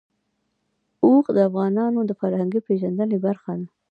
اوښ د افغانانو د فرهنګي پیژندنې برخه ده.